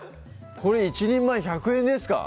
これ１人前１００円ですか？